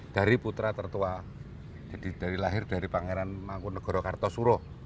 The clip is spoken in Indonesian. dari putra tertua jadi lahir dari pangeran mangkunagara kartosuro